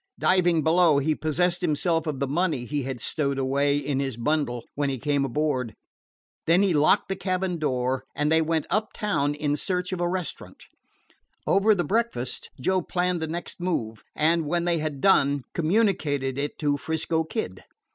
Diving below, he possessed himself of the money he had stowed away in his bundle when he came aboard. Then he locked the cabin door, and they went uptown in search of a restaurant. Over the breakfast Joe planned the next move, and, when they had done, communicated it to 'Frisco Kid.